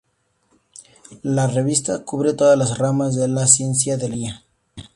La revista cubre todas las ramas de la Ciencia de la Ingeniería.